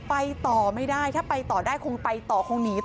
ไปต่อไม่ได้ถ้าไปต่อได้คงไปต่อคงหนีต่อ